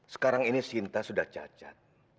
sekarang ini sinta sudah cacat